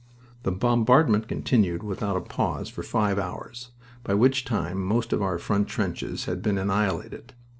The bombardment continued without a pause for five hours, by which time most of our front trenches had been annihilated.